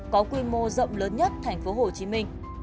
có quy mô rộng lớn nhất thành phố hồ chí minh